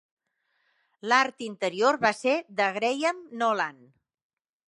L'art interior va ser de Graham Nolan.